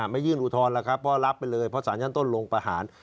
ไม่ยื่นอุทธรณ์แล้วครับเพราะรับไปเลยเพราะสารชั้นต้นลงประหาร